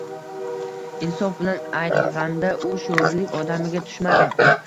Insof bilan aytg‘anda, u sho‘rlik odamiga tushmadi